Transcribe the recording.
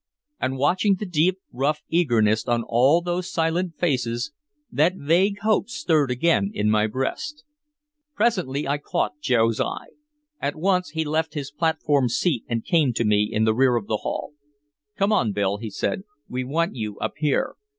And watching the deep rough eagerness on all those silent faces, that vague hope stirred again in my breast. Presently I caught Joe's eye. At once he left his platform seat and came to me in the rear of the hall. "Come on, Bill," he said. "We want you up here."